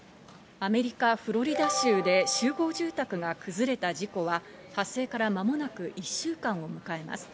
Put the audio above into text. アメリカ・フロリダ州で集合住宅が崩れた事故は発生から間もなく１週間を迎えます。